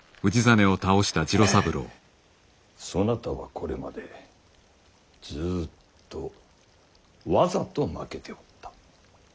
そなたはこれまでずっとわざと負けておった。